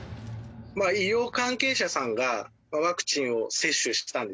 医療関係者さんがワクチンを接種したんですよね。